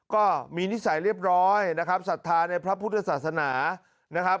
นิสัยเรียบร้อยนะครับศรัทธาในพระพุทธศาสนานะครับ